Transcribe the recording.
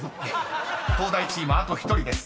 ［東大チームあと１人です。